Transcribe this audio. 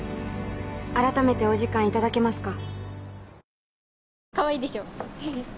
改めてお時間頂けますか？